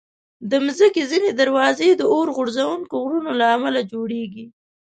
د مځکې ځینې دروازې د اورغورځونکو غرونو له امله جوړېږي.